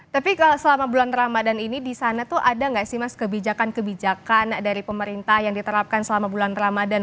tapi selama bulan ramadhan ini di sana tuh ada nggak sih mas kebijakan kebijakan dari pemerintah yang diterapkan selama bulan ramadan